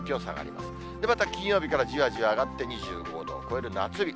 また金曜日からじわじわ上がって、２５度を超える夏日。